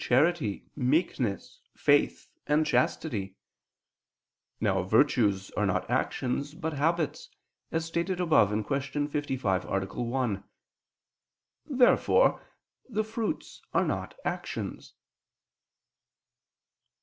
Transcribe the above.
charity, meekness, faith, and chastity. Now virtues are not actions but habits, as stated above (Q. 55, A. 1). Therefore the fruits are not actions.